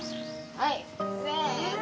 はいせぇの。